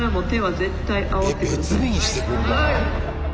えっ別日にしてくんない？